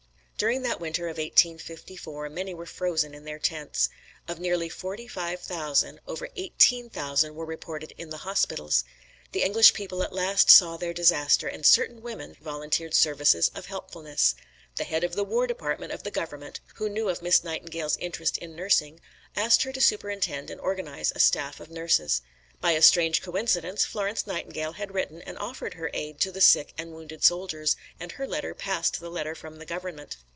During that winter of 1854, many were frozen in their tents. Of nearly forty five thousand, over eighteen thousand were reported in the hospitals. The English people at last saw their disaster, and certain women volunteered services of helpfulness. The head of the War Department of the Government who knew of Miss Nightingale's interest in nursing, asked her to superintend and organise a staff of nurses. By a strange coincidence Florence Nightingale had written and offered her aid to the sick and wounded soldiers, and her letter passed the letter from the Government.